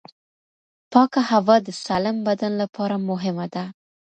پاکه هوا د سالم بدن لپاره مهمه ده.